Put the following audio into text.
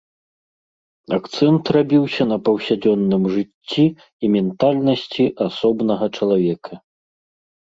Акцэнт рабіўся на паўсядзённым жыцці і ментальнасці асобнага чалавека.